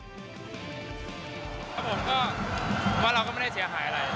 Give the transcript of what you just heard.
ครับผมก็ว่าเราก็ไม่ได้เสียหายอะไร